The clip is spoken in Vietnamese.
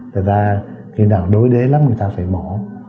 tại ra khi nào đối đế lắm người ta phải mổ